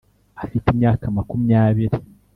afite imyaka makumyabiri